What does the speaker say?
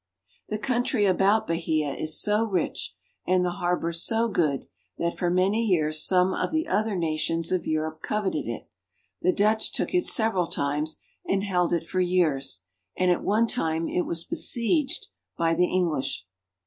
The country about Bahia is so rich and the harbor so good that for many years some of the other nations of Europe coveted it. The Dutch took it several times and held it for years, and at one time it was besieged by the EngHsh.